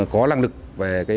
có lăng lực về